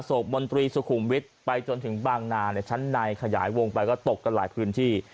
บนตรีสุขุมวิทย์ไปจนถึงบางนาในชั้นในขยายวงไปก็ตกกันหลายพื้นที่